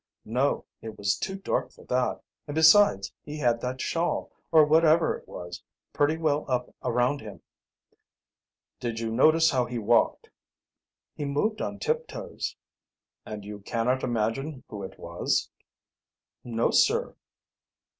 "No; it was too dark for that, and, besides, he had that shawl, or whatever it was, pretty well up around him." "Did you notice how he walked?" "He moved on tiptoes." "And you cannot imagine who it was?" "No, sir."